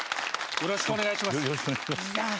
よろしくお願いします。